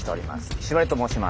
石割と申します。